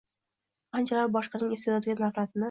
Qanchalar boshqaning iste’dodiga nafratni.